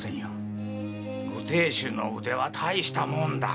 ご亭主の腕は大したもんだ。